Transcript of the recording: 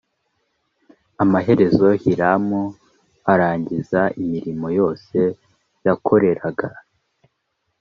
amaherezo hiramu arangiza imirimo yose yakoreraga